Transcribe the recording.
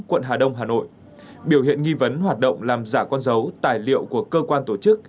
quận hà đông hà nội biểu hiện nghi vấn hoạt động làm giả con dấu tài liệu của cơ quan tổ chức